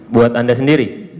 buat anda sendiri